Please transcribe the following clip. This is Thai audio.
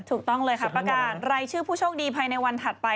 ถูกต้องเลยค่ะประกาศรายชื่อผู้โชคดีภายในวันถัดไป